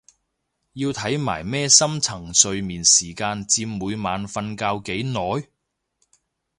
要睇埋咩深層睡眠時間佔每晚瞓覺幾耐？